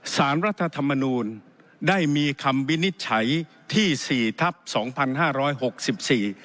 สารรัฐธรรมนูลได้มีคำวินิจฉัยที่สี่ทับสองพันห้าร้อยหกสิบสี่